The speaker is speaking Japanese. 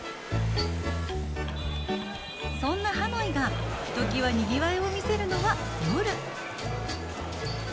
そんなハノイがひときわにぎわいを見せるのは、夜。